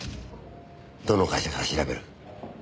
どの会社から調べる？